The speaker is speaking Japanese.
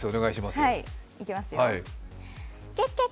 いきますよ。